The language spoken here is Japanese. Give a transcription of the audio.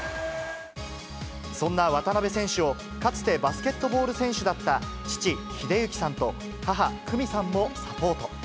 そんな渡邊選手を、かつてバスケットボール選手だった父、英幸さんと、母、久美さんもサポート。